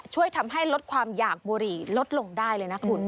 ช่วยทำให้ลดความอยากบุหรี่ลดลงได้เลยนะคุณ